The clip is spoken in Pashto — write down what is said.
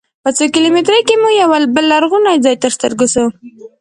په څو کیلومترۍ کې مو یوه بل لرغونی ځاې تر سترګو سو.